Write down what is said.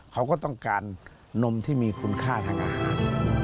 เขาก็ต้องการนมที่มีคุณค่าทางอาหาร